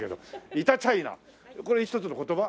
イタチャイナこれ一つの言葉？